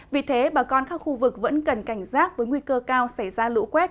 vì thế bà con khắp khu vực vẫn cần cảnh giác với nguy cơ cao xảy ra lũ quét